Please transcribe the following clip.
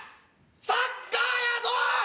サッカーやぞ！